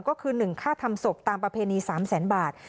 ก็คือ๑ค่าทำศพตามประเพณี๓แสนบาท